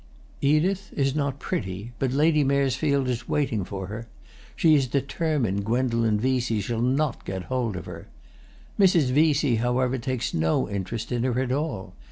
Edith is not pretty, but Lady Maresfield is waiting for her; she is determined Gwendolen Vesey shall not get hold of her. Mrs. Vesey however takes no interest in her at all.